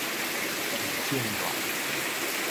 異性戀